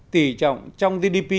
tỷ trọng trong gdp